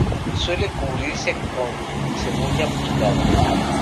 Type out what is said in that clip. Suele cubrirse con cebolleta picada.